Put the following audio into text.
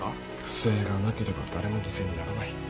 不正がなければ誰も犠牲にならない。